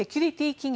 企業